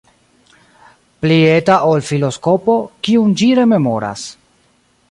Pli eta ol filoskopo, kiun ĝi rememoras.